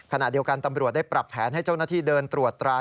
ขณะเดียวกันตำรวจได้ปรับแผนให้เจ้าหน้าที่เดินตรวจตรา